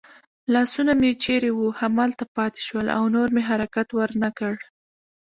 لاسونه مې چېرې وو همالته پاتې شول او نور مې حرکت ور نه کړ.